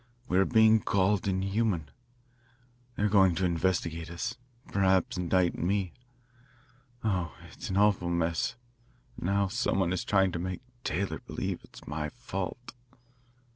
We are being called inhuman; they are going to investigate us; perhaps indict me. Oh, it's an awful mess; and now some one is trying to make Taylor believe it is my fault.